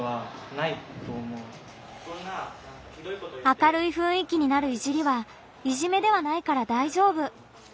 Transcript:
「明るいふんい気になるいじりはいじめではないから大丈夫」。